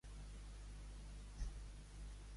El llac té la forma circular típica dels llacs de cràter.